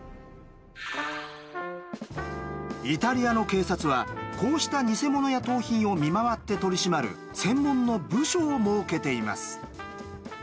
イタリアの警察はこうした偽物や盗品を見回って取り締まる専門の部署を設けています。